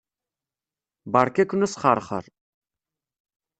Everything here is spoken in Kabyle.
Beṛka-ken asxeṛxeṛ.